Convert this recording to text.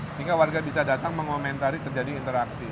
sehingga warga bisa datang mengomentari terjadi interaksi